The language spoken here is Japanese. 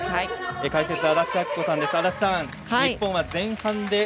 解説は安達阿記子さんです。